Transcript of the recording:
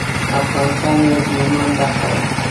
افغانستان مې د ایمان برخه وه.